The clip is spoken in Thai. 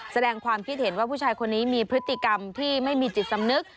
แสดงความคิดเห็นว่าผู้ชายคนนี้มีพฤติกรรมที่ไม่มีจิตสำนึก